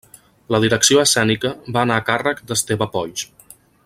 La direcció escènica va anar a càrrec d'Esteve Polls.